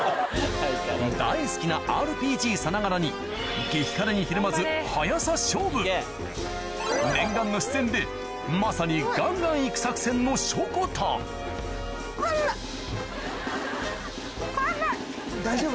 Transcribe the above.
大好きなＲＰＧさながらに激辛にひるまず念願の出演でまさにガンガン行く作戦のしょこたん・大丈夫？